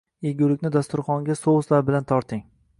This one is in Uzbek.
Yegulikni dasturxonga souslar bilan torting